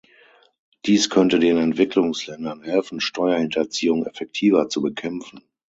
Dies könnte den Entwicklungsländern helfen, Steuerhinterziehung effektiver zu bekämpfen.